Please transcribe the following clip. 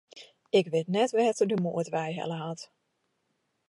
Ik wit net wêr't er de moed wei helle hat.